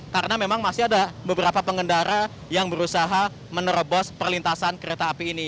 karena memang masih ada beberapa pengendara yang berusaha menerobos perlintasan kereta api ini